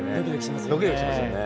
ドキドキしますよね。